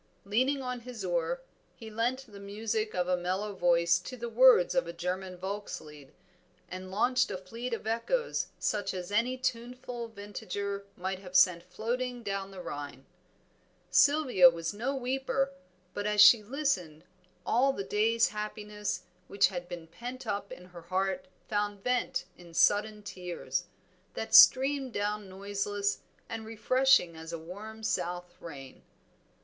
Leaning on his oar he lent the music of a mellow voice to the words of a German Volkslied, and launched a fleet of echoes such as any tuneful vintager might have sent floating down the Rhine. Sylvia was no weeper, but as she listened, all the day's happiness which had been pent up in her heart found vent in sudden tears, that streamed down noiseless and refreshing as a warm south rain.